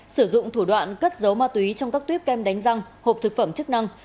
sử dụng thủ đoạn cất giấu ma túy trong các tuyếp kem đánh răng hộp thực phẩm chức năng